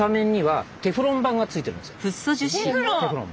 テフロン。